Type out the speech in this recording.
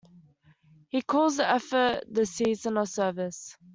He calls the effort the Season of Service.